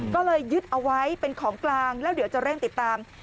ก็เลยยึดเอาไว้เป็นของกลางแล้วเดี๋ยวจะเร่งติดตาม